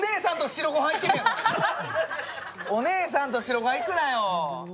お姉さんと白ごはん、いくなよ！